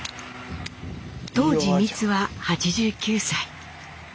当時みつは８９歳。